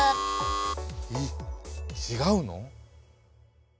えっちがうの？